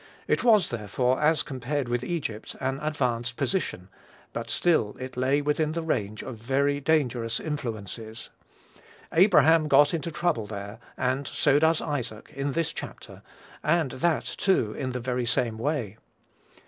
It was, therefore, as compared with Egypt, an advanced position; but still it lay within the range of very dangerous influences. Abraham got into trouble there, and so does Isaac, in this chapter, and that, too, in the very same way.